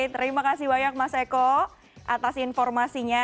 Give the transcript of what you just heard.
terima kasih banyak mas eko atas informasinya